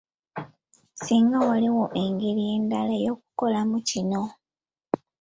Singa waaliwo engeri endala ey'okukolamu kino!